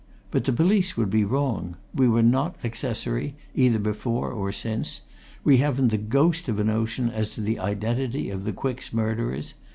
But the police would be wrong. We were not accessory, either before or since. We haven't the ghost of a notion as to the identity of the Quicks' murderers.